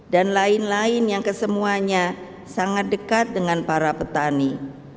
lain lain yang kesemuanya sangat dekat dengan para petani